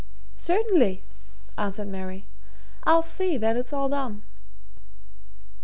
"Certainly," answered Mary. "I'll see that it's done."